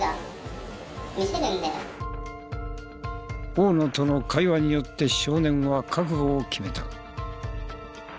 大野との会話によって少年は覚悟を決めた。